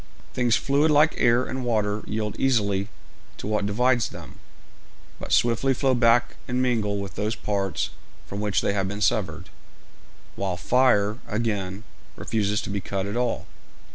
Things fluid like air and water yield easily to what divides them, but swiftly flow back and mingle with those parts from which they have been severed, while fire, again, refuses to be cut at all.